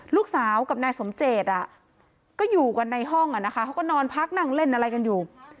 ลูกสาวกับนายสมเจตก็อยู่กันในห้องเขาก็นอนพักนั่งเล่นอะไรกันอยู่